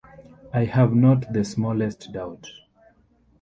I have not the smallest doubt.